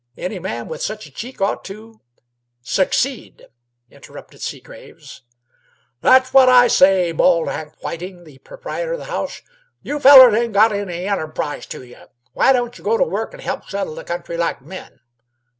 Any man with such a cheek ought to " "Succeed," interrupted Seagraves. "That's what I say," bawled Hank Whiting, the proprietor of the house. "You fellers ain't got any enterprise to yeh. Why don't you go to work an' help settle the country like men?